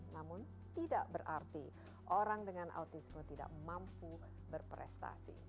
namun tidak berarti orang dengan autisme tidak mampu berprestasi